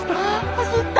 走った。